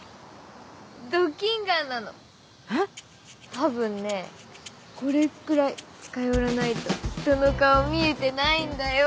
多分ねこれくらい近寄らないとひとの顔見えてないんだよ。